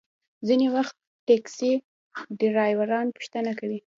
ځینې وخت ټکسي ډریوران پوښتنه کوي.